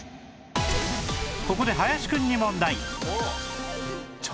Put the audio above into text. ここで林くんに問題